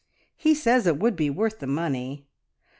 He says it would be worth the money.